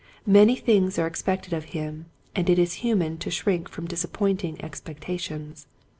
Many things are ex pected of him and it is human to shrink from disappointing expectations.